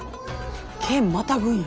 県またぐんや。